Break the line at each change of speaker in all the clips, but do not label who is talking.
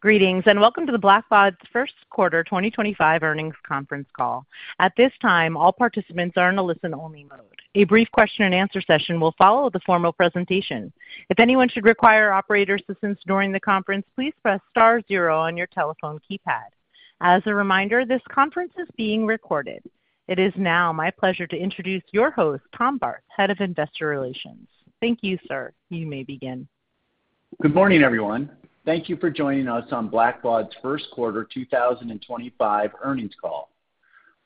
Greetings, and welcome to Blackbaud's first quarter 2025 earnings conference call. At this time, all participants are in a listen-only mode. A brief question-and-answer session will follow the formal presentation. If anyone should require operator assistance during the conference, please press star zero on your telephone keypad. As a reminder, this conference is being recorded. It is now my pleasure to introduce your host, Tom Barth, Head of Investor Relations. Thank you, sir. You may begin.
Good morning, everyone. Thank you for joining us on Blackbaud's first quarter 2025 earnings call.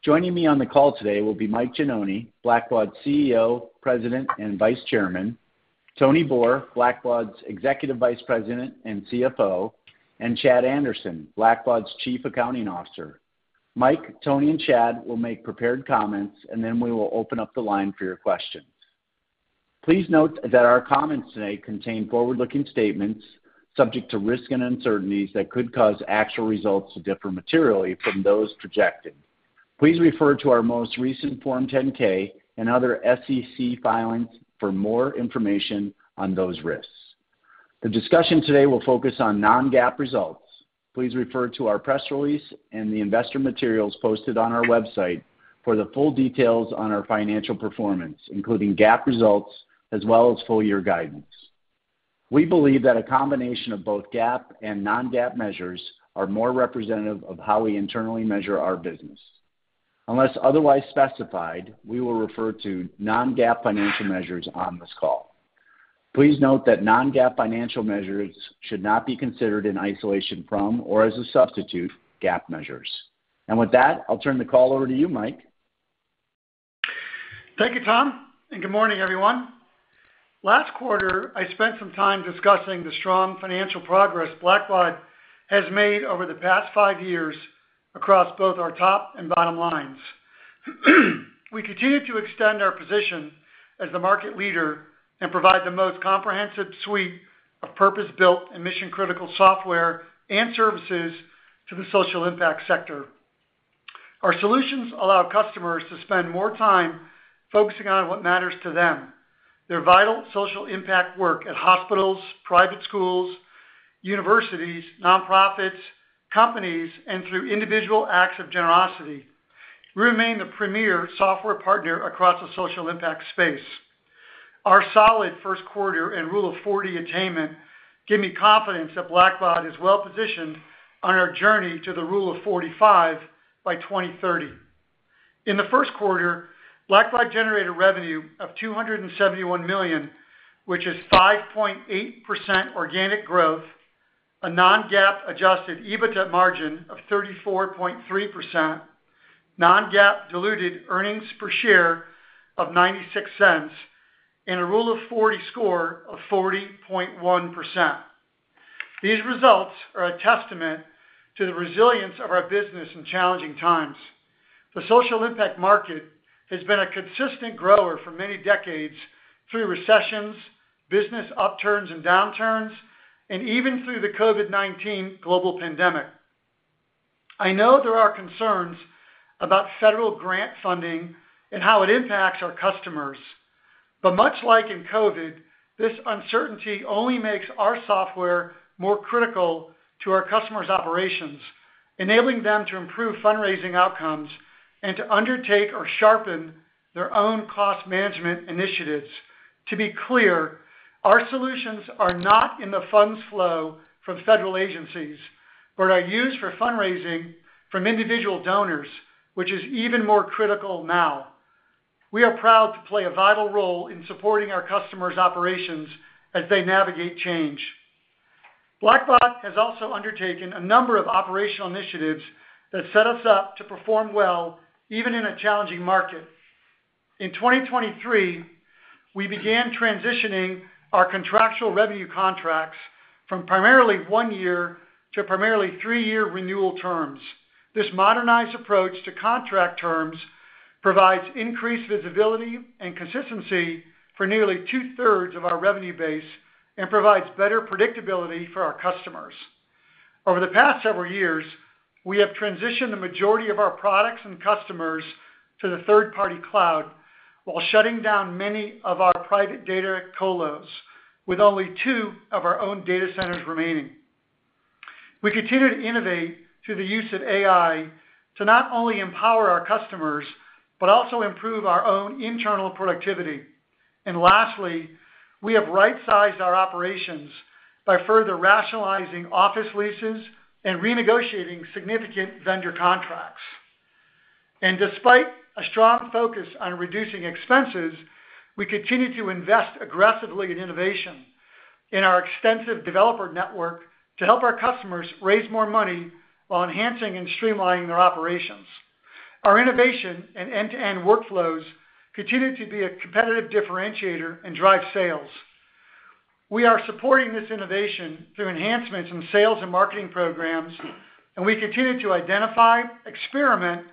Joining me on the call today will be Mike Gianoni, Blackbaud's CEO, president, and vice chairman; Tony Boor, Blackbaud's executive vice president and CFO; and Chad Anderson, Blackbaud's chief accounting officer. Mike, Tony, and Chad will make prepared comments, and then we will open up the line for your questions. Please note that our comments today contain forward-looking statements subject to risk and uncertainties that could cause actual results to differ materially from those projected. Please refer to our most recent Form 10-K and other SEC filings for more information on those risks. The discussion today will focus on non-GAAP results. Please refer to our press release and the investor materials posted on our website for the full details on our financial performance, including GAAP results as well as full-year guidance. We believe that a combination of both GAAP and non-GAAP measures are more representative of how we internally measure our business. Unless otherwise specified, we will refer to non-GAAP financial measures on this call. Please note that non-GAAP financial measures should not be considered in isolation from or as a substitute for GAAP measures. With that, I'll turn the call over to you, Mike.
Thank you, Tom, and good morning, everyone. Last quarter, I spent some time discussing the strong financial progress Blackbaud has made over the past five years across both our top and bottom lines. We continue to extend our position as the market leader and provide the most comprehensive suite of purpose-built and mission-critical software and services to the social impact sector. Our solutions allow customers to spend more time focusing on what matters to them: their vital social impact work at hospitals, private schools, universities, nonprofits, companies, and through individual acts of generosity. We remain the premier software partner across the social impact space. Our solid first quarter and Rule of 40 attainment give me confidence that Blackbaud is well positioned on our journey to the Rule of 45 by 2030. In the first quarter, Blackbaud generated revenue of $271 million, which is 5.8% organic growth, a non-GAAP adjusted EBITDA margin of 34.3%, non-GAAP diluted earnings per share of $0.96, and a Rule of 40 score of 40.1%. These results are a testament to the resilience of our business in challenging times. The social impact market has been a consistent grower for many decades through recessions, business upturns and downturns, and even through the COVID-19 global pandemic. I know there are concerns about federal grant funding and how it impacts our customers, but much like in COVID, this uncertainty only makes our software more critical to our customers' operations, enabling them to improve fundraising outcomes and to undertake or sharpen their own cost management initiatives. To be clear, our solutions are not in the funds flow from federal agencies, but are used for fundraising from individual donors, which is even more critical now. We are proud to play a vital role in supporting our customers' operations as they navigate change. Blackbaud has also undertaken a number of operational initiatives that set us up to perform well even in a challenging market. In 2023, we began transitioning our contractual revenue contracts from primarily one-year to primarily three-year renewal terms. This modernized approach to contract terms provides increased visibility and consistency for nearly two-thirds of our revenue base and provides better predictability for our customers. Over the past several years, we have transitioned the majority of our products and customers to the third-party cloud while shutting down many of our private data colos, with only two of our own data centers remaining. We continue to innovate through the use of AI to not only empower our customers but also improve our own internal productivity. Lastly, we have right-sized our operations by further rationalizing office leases and renegotiating significant vendor contracts. Despite a strong focus on reducing expenses, we continue to invest aggressively in innovation in our extensive developer network to help our customers raise more money while enhancing and streamlining their operations. Our innovation and end-to-end workflows continue to be a competitive differentiator and drive sales. We are supporting this innovation through enhancements in sales and marketing programs, and we continue to identify, experiment,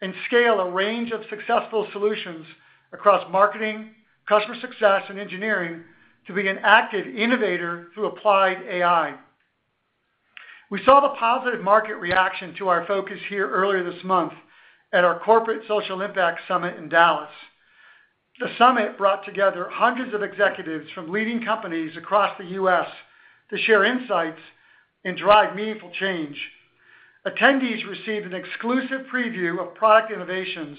and scale a range of successful solutions across marketing, customer success, and engineering to be an active innovator through applied AI. We saw the positive market reaction to our focus here earlier this month at our Corporate Social Impact Summit in Dallas. The summit brought together hundreds of executives from leading companies across the U.S. to share insights and drive meaningful change. Attendees received an exclusive preview of product innovations,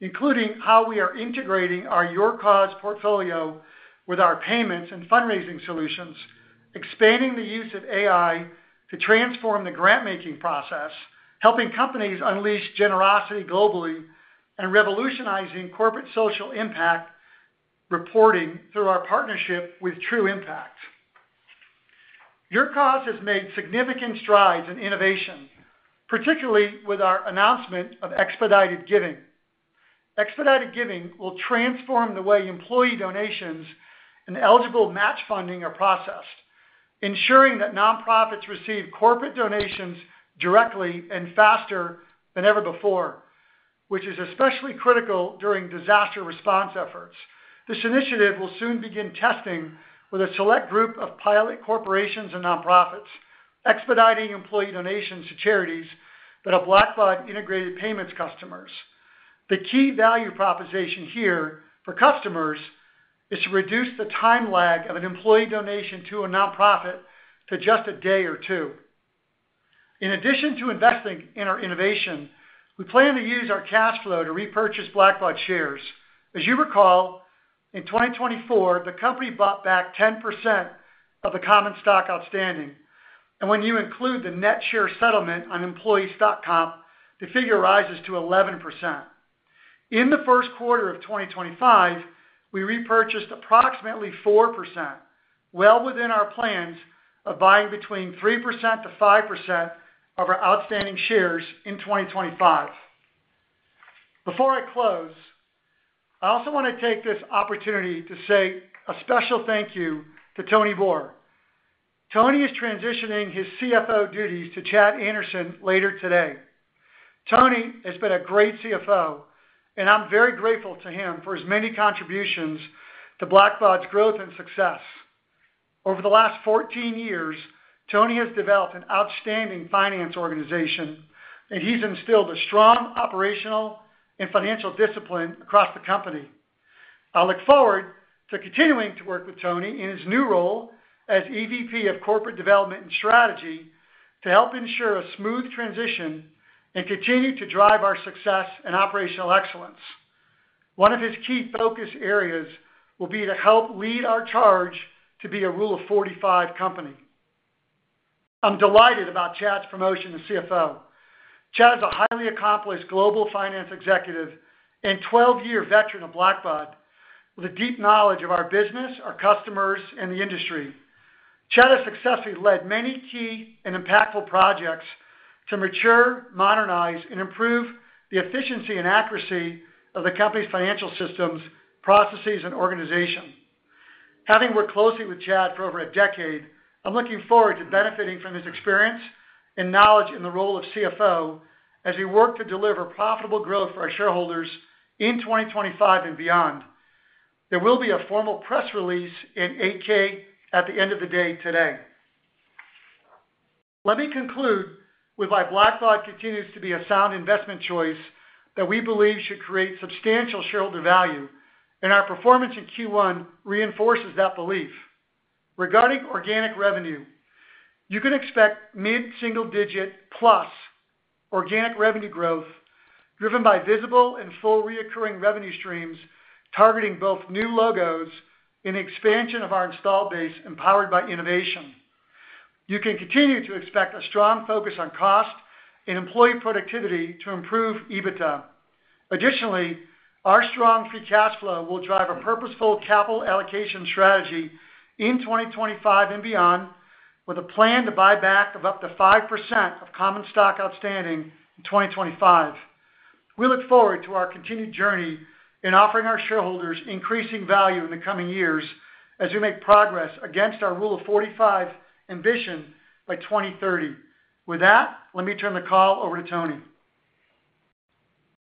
including how we are integrating our YourCause portfolio with our payments and fundraising solutions, expanding the use of AI to transform the grant-making process, helping companies unleash generosity globally, and revolutionizing corporate social impact reporting through our partnership with True Impact. YourCause has made significant strides in innovation, particularly with our announcement of Expedited Giving. Expedited Giving will transform the way employee donations and eligible match funding are processed, ensuring that nonprofits receive corporate donations directly and faster than ever before, which is especially critical during disaster response efforts. This initiative will soon begin testing with a select group of pilot corporations and nonprofits, expediting employee donations to charities that have Blackbaud integrated payments customers. The key value proposition here for customers is to reduce the time lag of an employee donation to a nonprofit to just a day or two. In addition to investing in our innovation, we plan to use our cash flow to repurchase Blackbaud shares. As you recall, in 2024, the company bought back 10% of the common stock outstanding. When you include the net share settlement on employee stock comp, the figure rises to 11%. In the first quarter of 2025, we repurchased approximately 4%, well within our plans of buying between 3%-5% of our outstanding shares in 2025. Before I close, I also want to take this opportunity to say a special thank you to Tony Boor. Tony is transitioning his CFO duties to Chad Anderson later today. Tony has been a great CFO, and I'm very grateful to him for his many contributions to Blackbaud's growth and success. Over the last 14 years, Tony has developed an outstanding finance organization, and he's instilled a strong operational and financial discipline across the company. I look forward to continuing to work with Tony in his new role as EVP of Corporate Development and Strategy to help ensure a smooth transition and continue to drive our success and operational excellence. One of his key focus areas will be to help lead our charge to be a Rule of 45 company. I'm delighted about Chad's promotion to CFO. Chad is a highly accomplished global finance executive and 12-year veteran of Blackbaud, with a deep knowledge of our business, our customers, and the industry. Chad has successfully led many key and impactful projects to mature, modernize, and improve the efficiency and accuracy of the company's financial systems, processes, and organization. Having worked closely with Chad for over a decade, I'm looking forward to benefiting from his experience and knowledge in the role of CFO as we work to deliver profitable growth for our shareholders in 2025 and beyond. There will be a formal press release and 8-K at the end of the day today. Let me conclude with why Blackbaud continues to be a sound investment choice that we believe should create substantial shareholder value, and our performance in Q1 reinforces that belief. Regarding organic revenue, you can expect mid-single-digit plus organic revenue growth driven by visible and full recurring revenue streams targeting both new logos and the expansion of our install base empowered by innovation. You can continue to expect a strong focus on cost and employee productivity to improve EBITDA. Additionally, our strong free cash flow will drive a purposeful capital allocation strategy in 2025 and beyond, with a plan to buy back up to 5% of common stock outstanding in 2025. We look forward to our continued journey in offering our shareholders increasing value in the coming years as we make progress against our Rule of 45 ambition by 2030. With that, let me turn the call over to Tony.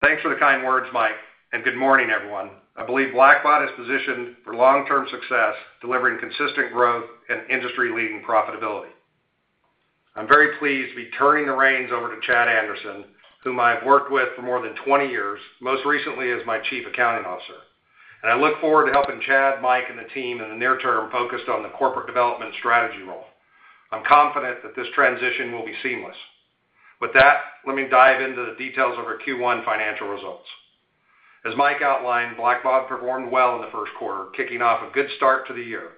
Thanks for the kind words, Mike, and good morning, everyone. I believe Blackbaud is positioned for long-term success, delivering consistent growth and industry-leading profitability. I'm very pleased to be turning the reins over to Chad Anderson, whom I've worked with for more than 20 years, most recently as my Chief Accounting Officer. I look forward to helping Chad, Mike, and the team in the near term focused on the corporate development strategy role. I'm confident that this transition will be seamless. With that, let me dive into the details of our Q1 financial results. As Mike outlined, Blackbaud performed well in the first quarter, kicking off a good start to the year.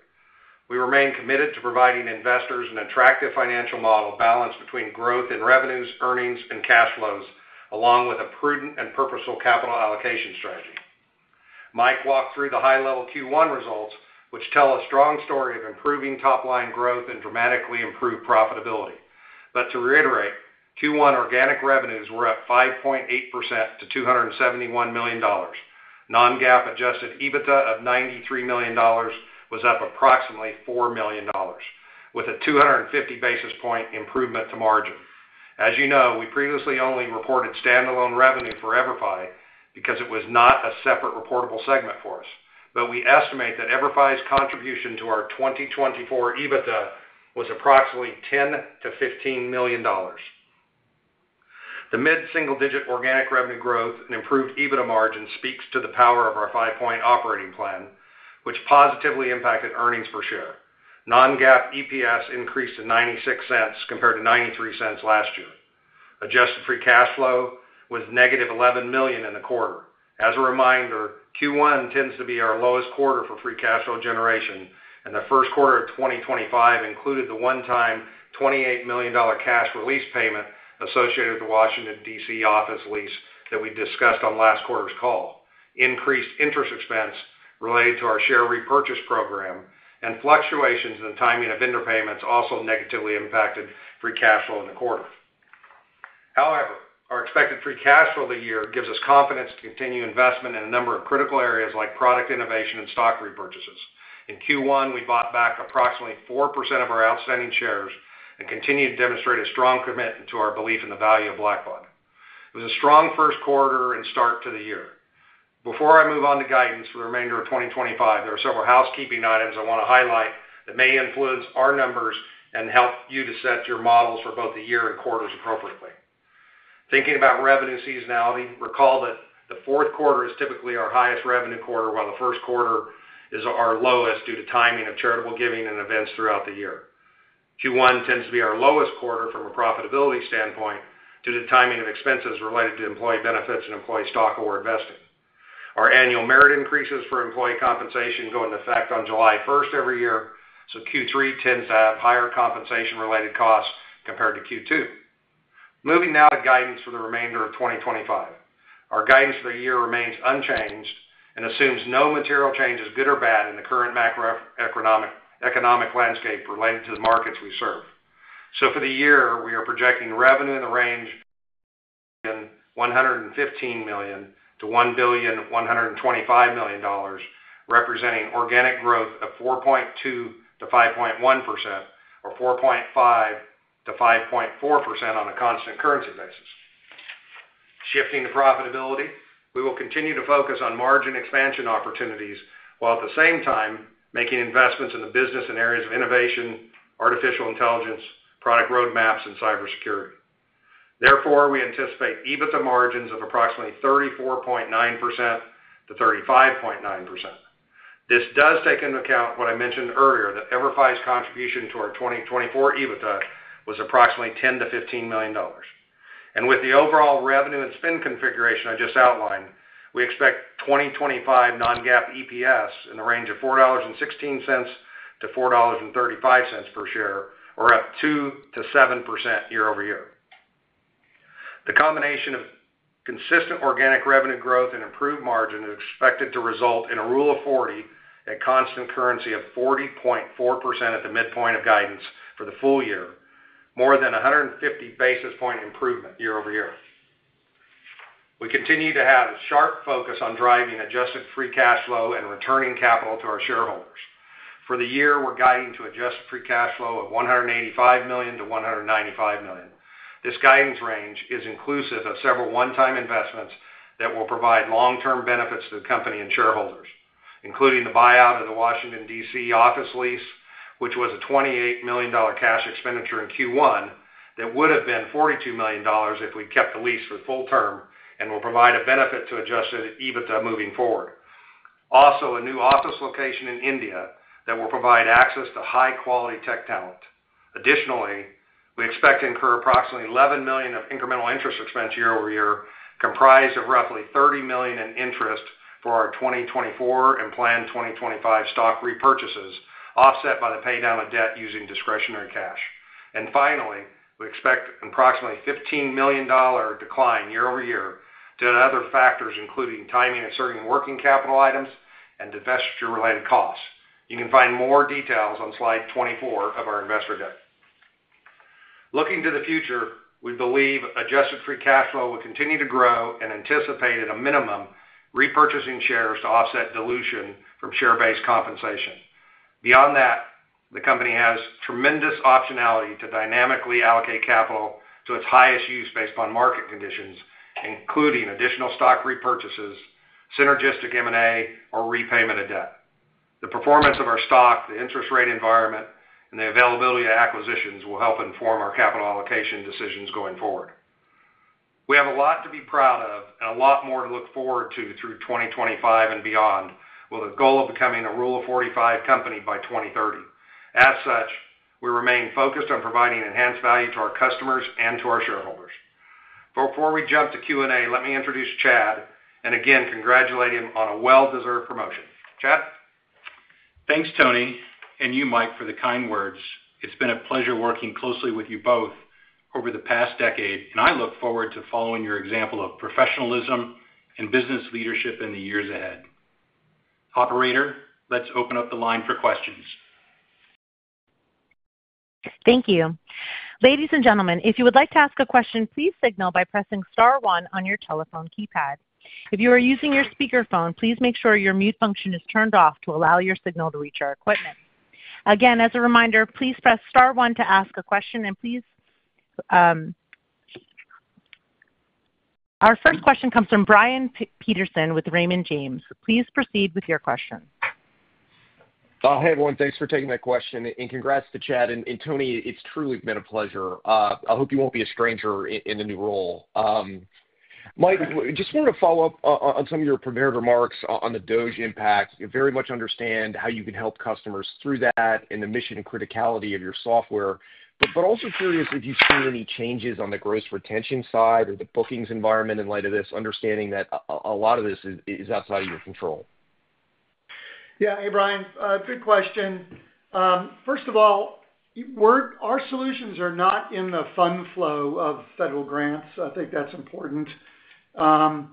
We remain committed to providing investors an attractive financial model balanced between growth in revenues, earnings, and cash flows, along with a prudent and purposeful capital allocation strategy. Mike walked through the high-level Q1 results, which tell a strong story of improving top-line growth and dramatically improved profitability. To reiterate, Q1 organic revenues were up 5.8% to $271 million. Non-GAAP adjusted EBITDA of $93 million was up approximately $4 million, with a 250 basis point improvement to margin. As you know, we previously only reported standalone revenue for EVERFI because it was not a separate reportable segment for us. We estimate that EVERFI's contribution to our 2024 EBITDA was approximately $10-$15 million. The mid-single-digit organic revenue growth and improved EBITDA margin speaks to the power of our five-point operating plan, which positively impacted earnings per share. Non-GAAP EPS increased to $0.96 compared to $0.93 last year. Adjusted free cash flow was negative $11 million in the quarter. As a reminder, Q1 tends to be our lowest quarter for free cash flow generation, and the first quarter of 2025 included the one-time $28 million cash release payment associated with the Washington, D.C. office lease that we discussed on last quarter's call. Increased interest expense related to our share repurchase program and fluctuations in the timing of interest payments also negatively impacted free cash flow in the quarter. However, our expected free cash flow of the year gives us confidence to continue investment in a number of critical areas like product innovation and stock repurchases. In Q1, we bought back approximately 4% of our outstanding shares and continue to demonstrate a strong commitment to our belief in the value of Blackbaud. It was a strong first quarter and start to the year. Before I move on to guidance for the remainder of 2025, there are several housekeeping items I want to highlight that may influence our numbers and help you to set your models for both the year and quarters appropriately. Thinking about revenue seasonality, recall that the fourth quarter is typically our highest revenue quarter, while the first quarter is our lowest due to timing of charitable giving and events throughout the year. Q1 tends to be our lowest quarter from a profitability standpoint due to the timing of expenses related to employee benefits and employee stock or investing. Our annual merit increases for employee compensation go into effect on July 1 every year, so Q3 tends to have higher compensation-related costs compared to Q2. Moving now to guidance for the remainder of 2025. Our guidance for the year remains unchanged and assumes no material changes, good or bad, in the current macroeconomic landscape related to the markets we serve. For the year, we are projecting revenue in the range of $1,115 million-$1,125 million, representing organic growth of 4.2%-5.1% or 4.5%-5.4% on a constant currency basis. Shifting to profitability, we will continue to focus on margin expansion opportunities while at the same time making investments in the business and areas of innovation, artificial intelligence, product roadmaps, and cybersecurity. Therefore, we anticipate EBITDA margins of approximately 34.9%-35.9%. This does take into account what I mentioned earlier, that EVERFI's contribution to our 2024 EBITDA was approximately $10-$15 million. With the overall revenue and spend configuration I just outlined, we expect 2025 non-GAAP EPS in the range of $4.16-$4.35 per share, or up 2%-7% year over year. The combination of consistent organic revenue growth and improved margin is expected to result in a Rule of 40 at constant currency of 40.4% at the midpoint of guidance for the full year, more than 150 basis point improvement year over year. We continue to have a sharp focus on driving adjusted free cash flow and returning capital to our shareholders. For the year, we are guiding to adjusted free cash flow of $185 million-$195 million. This guidance range is inclusive of several one-time investments that will provide long-term benefits to the company and shareholders, including the buyout of the Washington, D.C. Office lease, which was a $28 million cash expenditure in Q1 that would have been $42 million if we'd kept the lease for the full term and will provide a benefit to adjusted EBITDA moving forward. Also, a new office location in India that will provide access to high-quality tech talent. Additionally, we expect to incur approximately $11 million of incremental interest expense year over year, comprised of roughly $30 million in interest for our 2024 and planned 2025 stock repurchases, offset by the paydown of debt using discretionary cash. Finally, we expect an approximately $15 million decline year over year due to other factors, including timing of certain working capital items and investment-related costs. You can find more details on slide 24 of our investor deck. Looking to the future, we believe adjusted free cash flow will continue to grow and anticipate, at a minimum, repurchasing shares to offset dilution from share-based compensation. Beyond that, the company has tremendous optionality to dynamically allocate capital to its highest use based on market conditions, including additional stock repurchases, synergistic M&A, or repayment of debt. The performance of our stock, the interest rate environment, and the availability of acquisitions will help inform our capital allocation decisions going forward. We have a lot to be proud of and a lot more to look forward to through 2025 and beyond with the goal of becoming a Rule of 45 company by 2030. As such, we remain focused on providing enhanced value to our customers and to our shareholders. Before we jump to Q&A, let me introduce Chad and again congratulate him on a well-deserved promotion. Chad?
Thanks, Tony, and you, Mike, for the kind words. It's been a pleasure working closely with you both over the past decade, and I look forward to following your example of professionalism and business leadership in the years ahead. Operator, let's open up the line for questions.
Thank you. Ladies and gentlemen, if you would like to ask a question, please signal by pressing Star 1 on your telephone keypad. If you are using your speakerphone, please make sure your mute function is turned off to allow your signal to reach our equipment. Again, as a reminder, please press Star one to ask a question. Our first question comes from Brian Peterson with Raymond James. Please proceed with your question.
I'll have one. Thanks for taking that question, and congrats to Chad. And Tony, it's truly been a pleasure. I hope you won't be a stranger in the new role. Mike, just wanted to follow up on some of your prepared remarks on the DOGE impact. You very much understand how you can help customers through that and the mission and criticality of your software, but also curious if you've seen any changes on the gross retention side or the bookings environment in light of this, understanding that a lot of this is outside of your control.
Yeah, hey, Brian. Good question. First of all, our solutions are not in the fund flow of federal grants. I think that's important. Some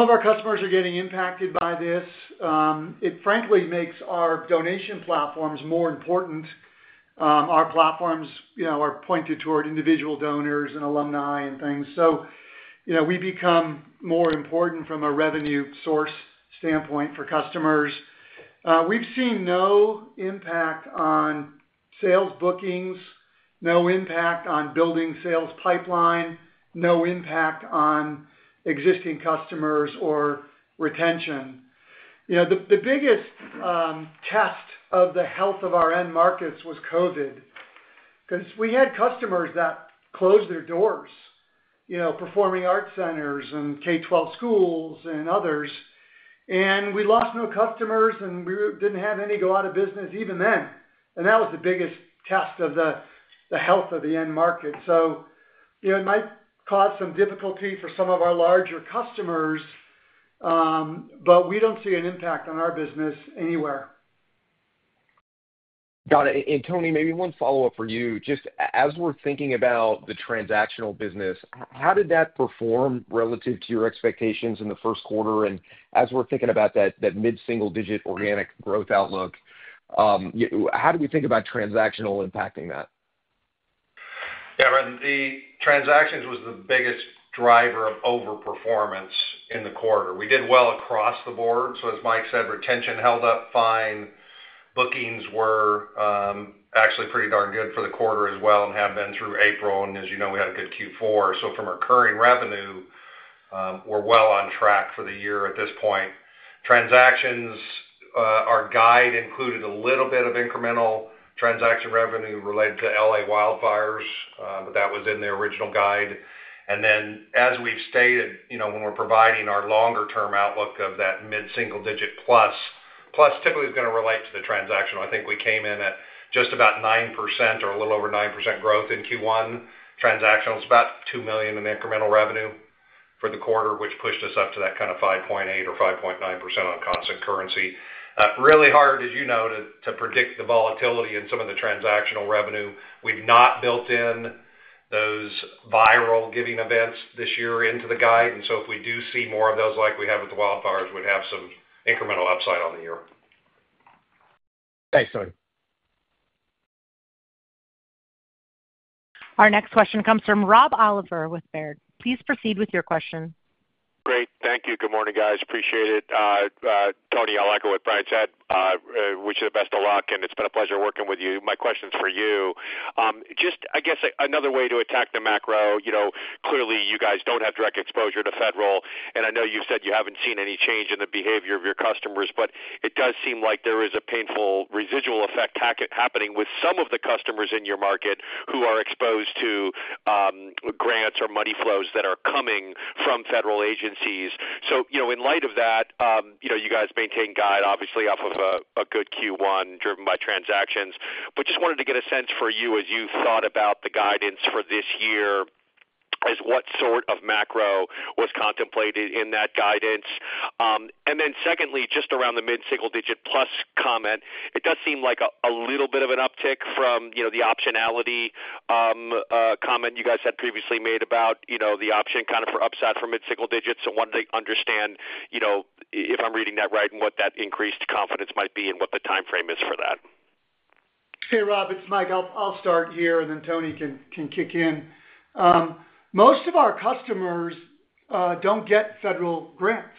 of our customers are getting impacted by this. It frankly makes our donation platforms more important. Our platforms are pointed toward individual donors and alumni and things. We become more important from a revenue source standpoint for customers. We've seen no impact on sales bookings, no impact on building sales pipeline, no impact on existing customers or retention. The biggest test of the health of our end markets was COVID because we had customers that closed their doors, performing art centers and K-12 schools and others. We lost no customers, and we didn't have any go out of business even then. That was the biggest test of the health of the end market. It might cause some difficulty for some of our larger customers, but we don't see an impact on our business anywhere.
Got it. Tony, maybe one follow-up for you. Just as we're thinking about the transactional business, how did that perform relative to your expectations in the first quarter? As we're thinking about that mid-single-digit organic growth outlook, how do we think about transactional impacting that?
Yeah, the transactions was the biggest driver of overperformance in the quarter. We did well across the board. As Mike said, retention held up fine. Bookings were actually pretty darn good for the quarter as well and have been through April. As you know, we had a good Q4. From our current revenue, we're well on track for the year at this point. Transactions, our guide included a little bit of incremental transaction revenue related to L.A. wildfires, but that was in the original guide. As we've stated, when we're providing our longer-term outlook of that mid-single-digit plus, plus typically is going to relate to the transactional. I think we came in at just about 9% or a little over 9% growth in Q1. Transactional is about $2 million in incremental revenue for the quarter, which pushed us up to that kind of 5.8% or 5.9% on constant currency. Really hard, as you know, to predict the volatility in some of the transactional revenue. We've not built in those viral giving events this year into the guide. If we do see more of those like we have with the wildfires, we'd have some incremental upside on the year.
Thanks, Tony.
Our next question comes from Rob Oliver with Baird. Please proceed with your question.
Great. Thank you. Good morning, guys. Appreciate it. Tony, I like what Brian said. I wish you the best of luck, and it's been a pleasure working with you. My question's for you. Just, I guess, another way to attack the macro. Clearly, you guys don't have direct exposure to federal, and I know you've said you haven't seen any change in the behavior of your customers, but it does seem like there is a painful residual effect happening with some of the customers in your market who are exposed to grants or money flows that are coming from federal agencies. In light of that, you guys maintain guide, obviously, off of a good Q1 driven by transactions. Just wanted to get a sense for you as you thought about the guidance for this year, as what sort of macro was contemplated in that guidance. Secondly, just around the mid-single-digit plus comment, it does seem like a little bit of an uptick from the optionality comment you guys had previously made about the option kind of for upside for mid-single digits. I wanted to understand if I'm reading that right and what that increased confidence might be and what the timeframe is for that.
Hey, Rob, it's Mike. I'll start here, and then Tony can kick in. Most of our customers don't get federal grants.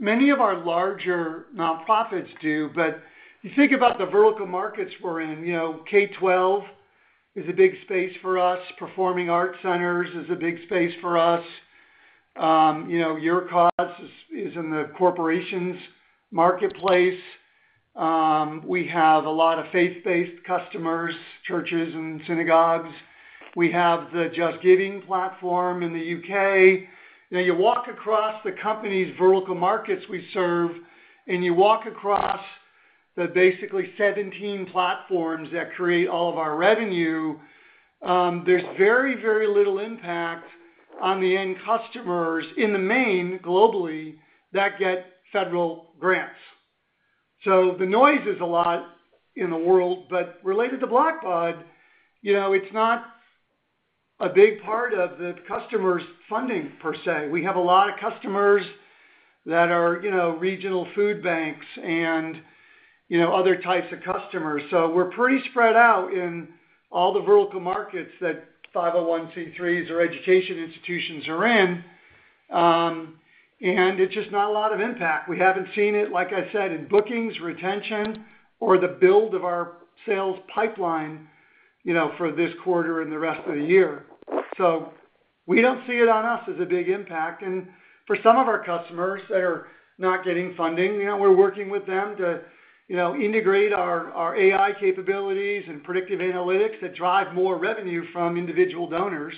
Many of our larger nonprofits do, but you think about the vertical markets we're in. K-12 is a big space for us. Performing art centers is a big space for us. YourCause is in the corporations marketplace. We have a lot of faith-based customers, churches and synagogues. We have the JustGiving platform in the U.K. You walk across the companies' vertical markets we serve, and you walk across the basically 17 platforms that create all of our revenue, there's very, very little impact on the end customers in the main globally that get federal grants. The noise is a lot in the world, but related to Blackbaud, it's not a big part of the customers' funding per se. We have a lot of customers that are regional food banks and other types of customers. We are pretty spread out in all the vertical markets that 501(c)(3)s or education institutions are in, and it is just not a lot of impact. We have not seen it, like I said, in bookings, retention, or the build of our sales pipeline for this quarter and the rest of the year. We do not see it on us as a big impact. For some of our customers that are not getting funding, we are working with them to integrate our AI capabilities and predictive analytics that drive more revenue from individual donors.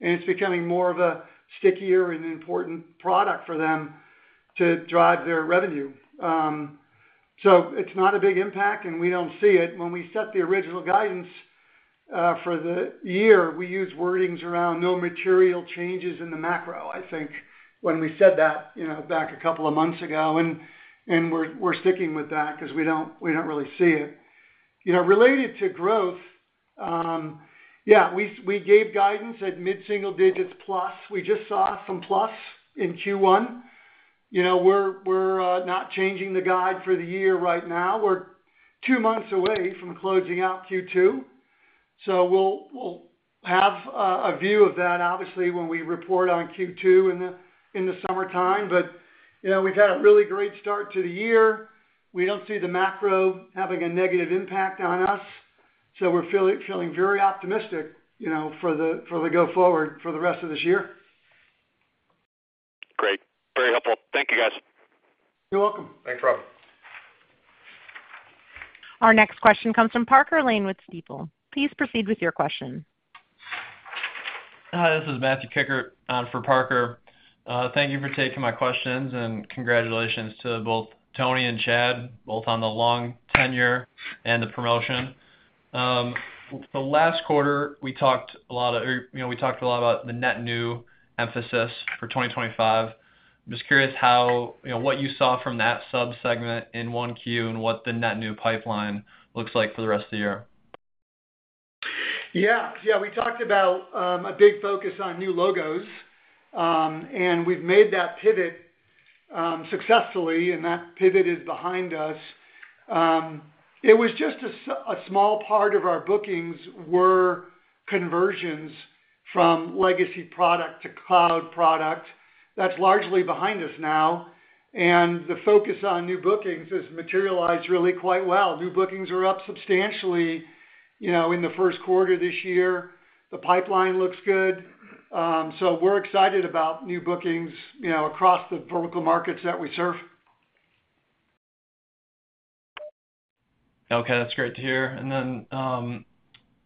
It is becoming more of a stickier and important product for them to drive their revenue. It is not a big impact, and we do not see it. When we set the original guidance for the year, we used wordings around no material changes in the macro, I think, when we said that back a couple of months ago. We are sticking with that because we do not really see it. Related to growth, yeah, we gave guidance at mid-single digits plus. We just saw some plus in Q1. We are not changing the guide for the year right now. We are two months away from closing out Q2. We will have a view of that, obviously, when we report on Q2 in the summertime. We have had a really great start to the year. We do not see the macro having a negative impact on us. We are feeling very optimistic for the go-forward for the rest of this year.
Great. Very helpful. Thank you, guys.
You're welcome.
Thanks, Rob.
Our next question comes from Parker Lane with Stifel. Please proceed with your question.
Hi, this is Matthew Kikkert for Parker. Thank you for taking my questions, and congratulations to both Tony and Chad, both on the long tenure and the promotion. Last quarter, we talked a lot about the net new emphasis for 2025. I'm just curious what you saw from that subsegment in Q1 and what the net new pipeline looks like for the rest of the year. Yeah. Yeah, we talked about a big focus on new logos, and we've made that pivot successfully, and that pivot is behind us. It was just a small part of our bookings were conversions from legacy product to cloud product. That's largely behind us now. The focus on new bookings has materialized really quite well. New bookings are up substantially in the first quarter this year. The pipeline looks good. We are excited about new bookings across the vertical markets that we serve. Okay. That's great to hear.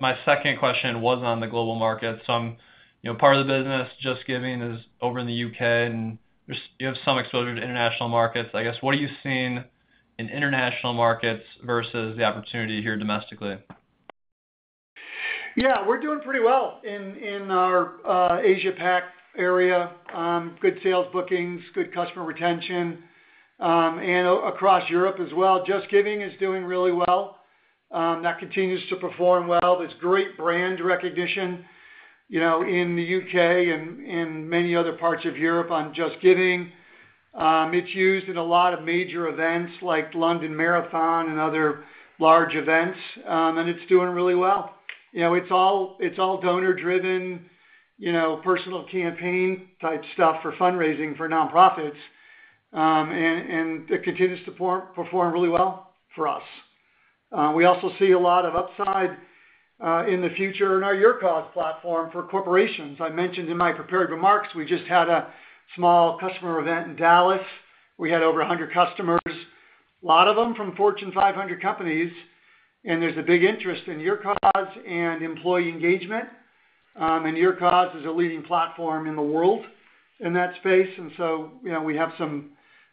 My second question was on the global markets. One part of the business, JustGiving is over in the U.K., and you have some exposure to international markets. I guess, what are you seeing in international markets versus the opportunity here domestically?
Yeah, we're doing pretty well in our Asia-Pacific area. Good sales bookings, good customer retention, and across Europe as well. JustGiving is doing really well. That continues to perform well. There's great brand recognition in the U.K. and many other parts of Europe on JustGiving. It's used in a lot of major events like London Marathon and other large events, and it's doing really well. It's all donor-driven, personal campaign-type stuff for fundraising for nonprofits, and it continues to perform really well for us. We also see a lot of upside in the future in our YourCause platform for corporations. I mentioned in my prepared remarks, we just had a small customer event in Dallas. We had over 100 customers, a lot of them from Fortune 500 companies, and there's a big interest in YourCause and employee engagement. YourCause is a leading platform in the world in that space. We have some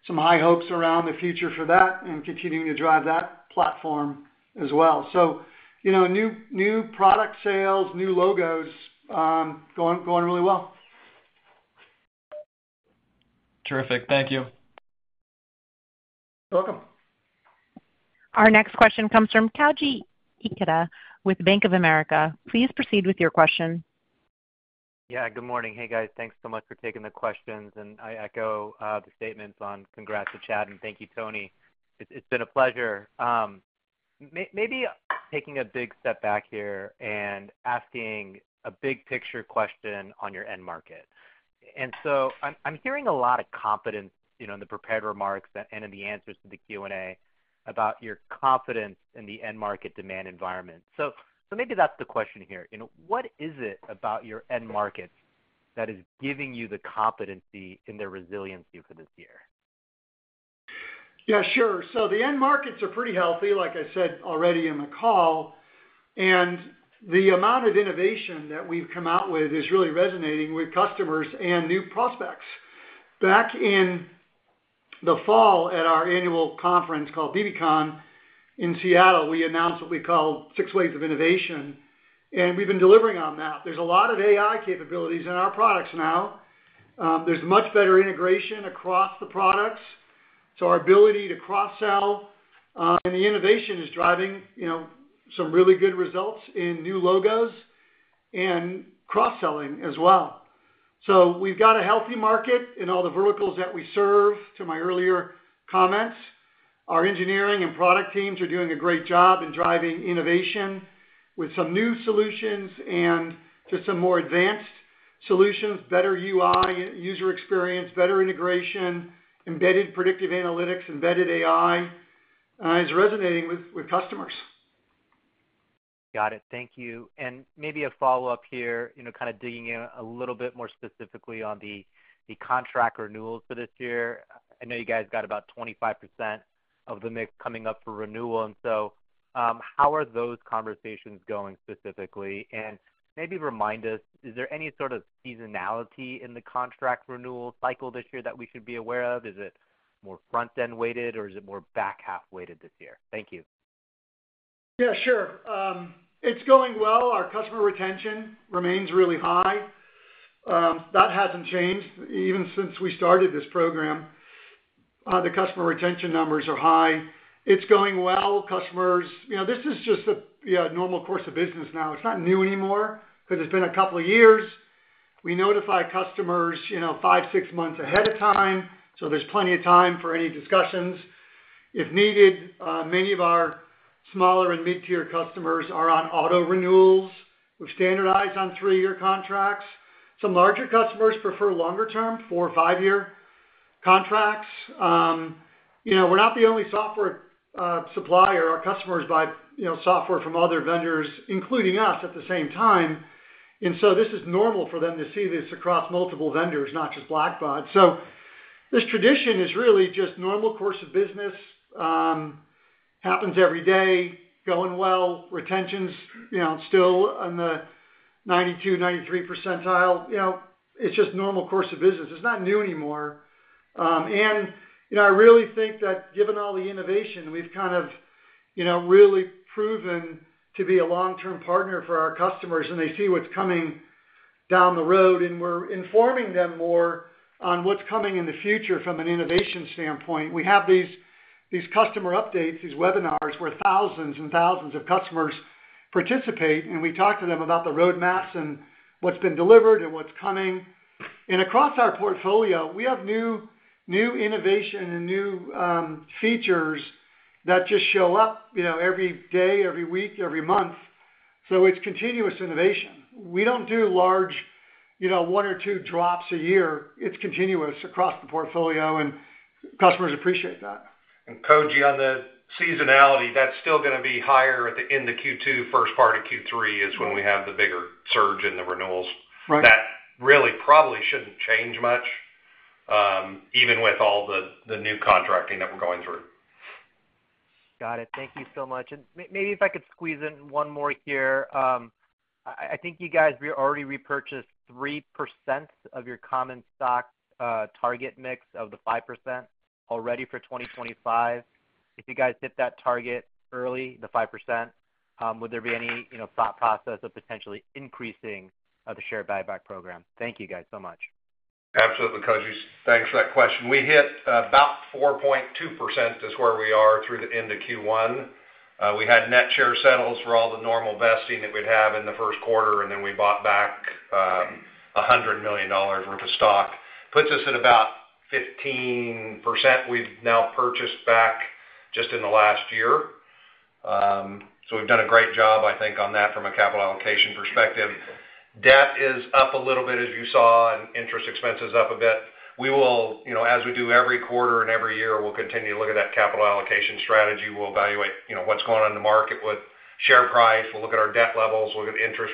high hopes around the future for that and continuing to drive that platform as well. New product sales, new logos going really well.
Terrific. Thank you.
You're welcome.
Our next question comes from Koji Ikeda with Bank of America. Please proceed with your question.
Yeah, good morning. Hey, guys. Thanks so much for taking the questions. I echo the statements on congrats to Chad and thank you, Tony. It's been a pleasure. Maybe taking a big step back here and asking a big-picture question on your end market. I'm hearing a lot of confidence in the prepared remarks and in the answers to the Q&A about your confidence in the end market demand environment. Maybe that's the question here. What is it about your end markets that is giving you the competency in their resiliency for this year?
Yeah, sure. The end markets are pretty healthy, like I said already in the call. The amount of innovation that we've come out with is really resonating with customers and new prospects. Back in the fall at our annual conference called bbcon in Seattle, we announced what we called Six Waves of Innovation. We have been delivering on that. There are a lot of AI capabilities in our products now. There is much better integration across the products. Our ability to cross-sell and the innovation is driving some really good results in new logos and cross-selling as well. We have a healthy market in all the verticals that we serve. To my earlier comments, our engineering and product teams are doing a great job in driving innovation with some new solutions and just some more advanced solutions, better UI, user experience, better integration, embedded predictive analytics, embedded AI, and it's resonating with customers.
Got it. Thank you. Maybe a follow-up here, kind of digging in a little bit more specifically on the contract renewals for this year. I know you guys got about 25% of the mix coming up for renewal. How are those conversations going specifically? Maybe remind us, is there any sort of seasonality in the contract renewal cycle this year that we should be aware of? Is it more front-end weighted, or is it more back half weighted this year? Thank you.
Yeah, sure. It's going well. Our customer retention remains really high. That hasn't changed even since we started this program. The customer retention numbers are high. It's going well. Customers, this is just a normal course of business now. It's not new anymore because it's been a couple of years. We notify customers five-six months ahead of time. There's plenty of time for any discussions if needed. Many of our smaller and mid-tier customers are on auto renewals. We've standardized on three-year contracts. Some larger customers prefer longer-term four or five-year contracts. We're not the only software supplier. Our customers buy software from other vendors, including us, at the same time. This is normal for them to see this across multiple vendors, not just Blackbaud. This tradition is really just normal course of business. Happens every day. Going well. Retention's still in the 92-93% percentile. It's just normal course of business. It's not new anymore. I really think that given all the innovation, we've kind of really proven to be a long-term partner for our customers, and they see what's coming down the road, and we're informing them more on what's coming in the future from an innovation standpoint. We have these customer updates, these webinars where thousands and thousands of customers participate, and we talk to them about the roadmaps and what's been delivered and what's coming. Across our portfolio, we have new innovation and new features that just show up every day, every week, every month. It's continuous innovation. We don't do large one or two drops a year. It's continuous across the portfolio, and customers appreciate that.
Koji, on the seasonality, that's still going to be higher in Q2, first part of Q3 is when we have the bigger surge in the renewals. That really probably shouldn't change much, even with all the new contracting that we're going through.
Got it. Thank you so much. Maybe if I could squeeze in one more here. I think you guys already repurchased 3% of your common stock target mix of the 5% already for 2025. If you guys hit that target early, the 5%, would there be any thought process of potentially increasing the share buyback program? Thank you, guys, so much.
Absolutely, Koji. Thanks for that question. We hit about 4.2% is where we are through the end of Q1. We had net share settles for all the normal vesting that we'd have in the first quarter, and then we bought back $100 million worth of stock. Puts us at about 15% we've now purchased back just in the last year. So we've done a great job, I think, on that from a capital allocation perspective. Debt is up a little bit, as you saw, and interest expenses up a bit. As we do every quarter and every year, we'll continue to look at that capital allocation strategy. We'll evaluate what's going on in the market with share price. We'll look at our debt levels. We'll look at interest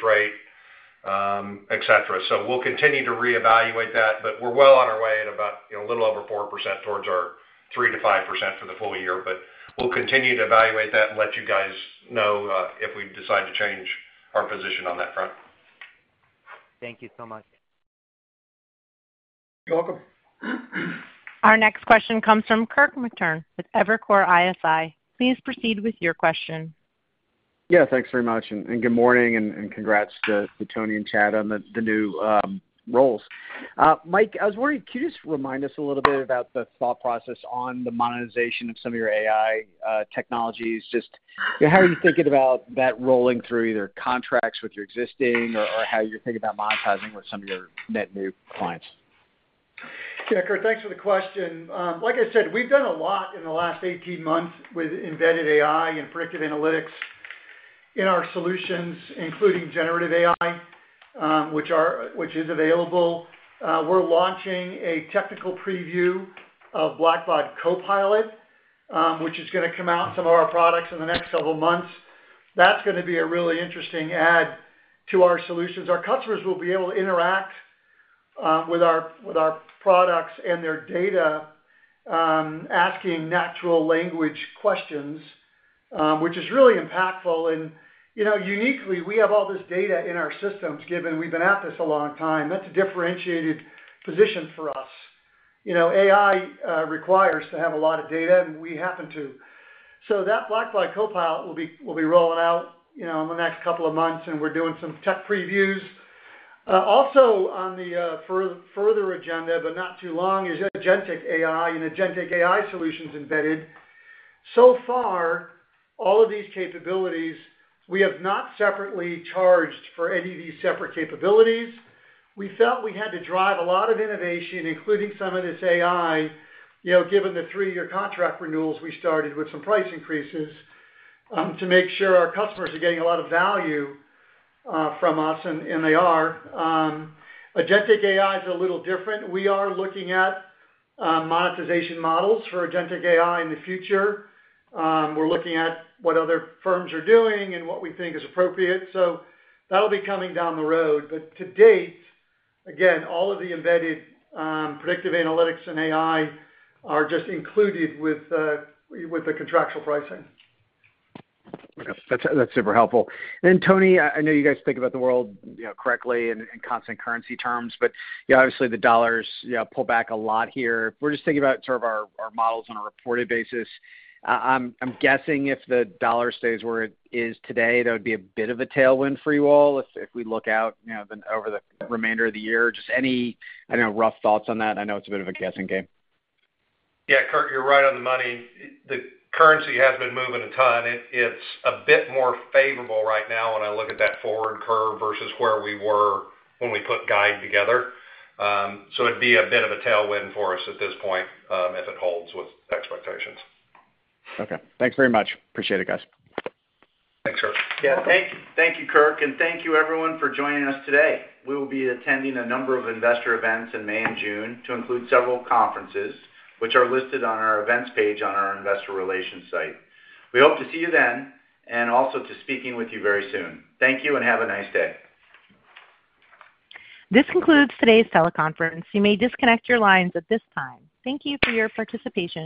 rate, etc. We will continue to reevaluate that, but we are well on our way at about a little over 4% towards our 3-5% for the full year. We will continue to evaluate that and let you guys know if we decide to change our position on that front.
Thank you so much.
You're welcome.
Our next question comes from Kirk Materne with Evercore ISI. Please proceed with your question.
Yeah, thanks very much. Good morning and congrats to Tony and Chad on the new roles. Mike, I was wondering, could you just remind us a little bit about the thought process on the monetization of some of your AI technologies? Just how are you thinking about that rolling through either contracts with your existing or how you're thinking about monetizing with some of your net new clients?
Yeah, Kirk, thanks for the question. Like I said, we've done a lot in the last 18 months with embedded AI and predictive analytics in our solutions, including generative AI, which is available. We're launching a technical preview of Blackbaud Copilot, which is going to come out in some of our products in the next several months. That's going to be a really interesting add to our solutions. Our customers will be able to interact with our products and their data, asking natural language questions, which is really impactful. Uniquely, we have all this data in our systems given we've been at this a long time. That's a differentiated position for us. AI requires you to have a lot of data, and we happen to. Blackbaud Copilot will be rolling out in the next couple of months, and we're doing some tech previews. Also, on the further agenda, but not too long, is agentic AI and agentic AI solutions embedded. So far, all of these capabilities, we have not separately charged for any of these separate capabilities. We felt we had to drive a lot of innovation, including some of this AI, given the three-year contract renewals we started with some price increases to make sure our customers are getting a lot of value from us, and they are. Agentic AI is a little different. We are looking at monetization models for agentic AI in the future. We're looking at what other firms are doing and what we think is appropriate. That'll be coming down the road. To date, again, all of the embedded predictive analytics and AI are just included with the contractual pricing.
Okay. That's super helpful. Tony, I know you guys think about the world correctly in constant currency terms, but obviously, the dollar has pulled back a lot here. If we're just thinking about sort of our models on a reported basis, I'm guessing if the dollar stays where it is today, that would be a bit of a tailwind for you all if we look out over the remainder of the year. Just any rough thoughts on that? I know it's a bit of a guessing game.
Yeah, Kirk, you're right on the money. The currency has been moving a ton. It's a bit more favorable right now when I look at that forward curve versus where we were when we put Guide together. It'd be a bit of a tailwind for us at this point if it holds with expectations.
Okay. Thanks very much. Appreciate it, guys.
Thanks, Kirk.
Yeah, thank you, Kirk. Thank you, everyone, for joining us today. We will be attending a number of investor events in May and June to include several conferences, which are listed on our events page on our investor relations site. We hope to see you then and also to speaking with you very soon. Thank you and have a nice day.
This concludes today's teleconference. You may disconnect your lines at this time. Thank you for your participation.